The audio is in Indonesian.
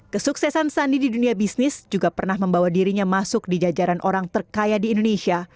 kesuksesan sandi di dunia bisnis juga pernah membawa dirinya masuk di jajaran orang terkaya di indonesia